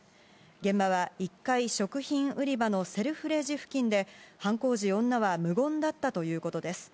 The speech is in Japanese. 現場は１階食品売り場のセルフレジ付近で、犯行時、女は無言だったということです。